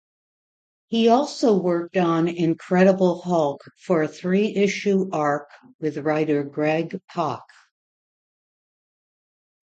He also worked on "Incredible Hulk" for a three-issue arc with writer Greg Pak.